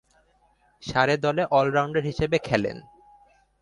সারে দলে অল-রাউন্ডার হিসেবে খেলেন।